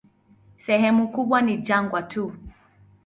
Sehemu kubwa ni jangwa tu.